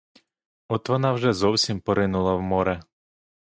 От вона вже зовсім поринула в море.